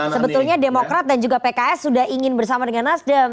sebetulnya demokrat dan juga pks sudah ingin bersama dengan nasdem